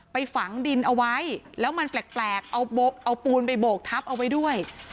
ฝังดินเอาไว้แล้วมันแปลกเอาปูนไปโบกทับเอาไว้ด้วย